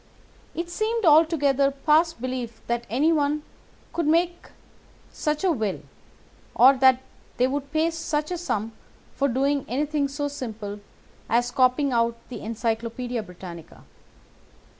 It seemed altogether past belief that anyone could make such a will, or that they would pay such a sum for doing anything so simple as copying out the Encyclopædia Britannica.